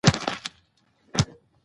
سیندونه د افغانستان د طبیعت برخه ده.